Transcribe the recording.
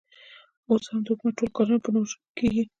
اوس هم د حکومت ټول کارونه په نورو ژبو کې کېږي.